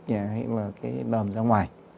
hay là cái đờm ra ngoài